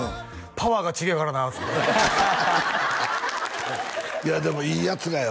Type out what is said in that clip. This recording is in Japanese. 「パワーが違えからな」っつっていやでもいいヤツらよ